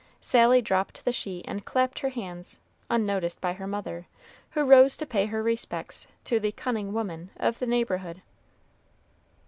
Sally dropped the sheet and clapped her hands, unnoticed by her mother, who rose to pay her respects to the "cunning woman" of the neighborhood.